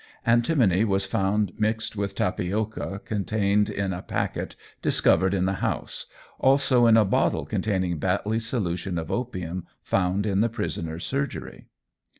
Antimony was found mixed with tapioca contained in a packet discovered in the house, also in a bottle containing Batley's solution of opium found in the prisoner's surgery.